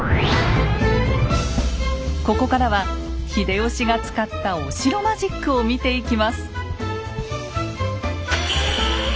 ここからは秀吉が使ったお城マジックを見ていきます。